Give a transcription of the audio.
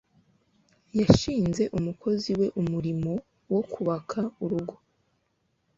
yashinze umukozi we umurimo wo kubaka urugo